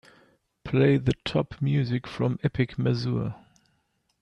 Play the top music from Epic Mazur.